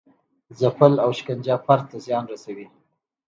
ځپل او شکنجه فرد ته زیان رسوي.